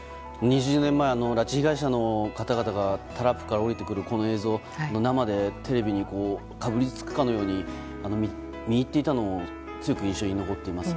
２０年前、拉致被害者の方々がタラップから降りてくる映像生でテレビにかぶりつくかのように見入っていたのを強く印象に残っています。